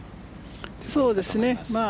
そうですね。